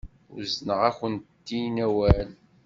Uzneɣ-akent-in awal.